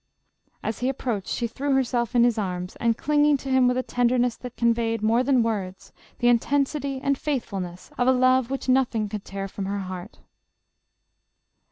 As he approached, she threw herself in his arms, and cling ing to him with a tenderness that conveyed, more than words, the intensity and faithfulness of a love which nothing could tear from her heart.